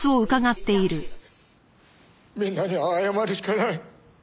みんなには謝るしかない。